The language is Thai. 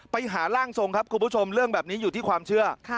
ไปหาร่างทรงครับคุณผู้ชมเรื่องแบบนี้อยู่ที่ความเชื่อ